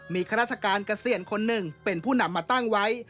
มีข้าราชการเกษียณคนหนึ่งเป็นผู้นำมาตั้งไว้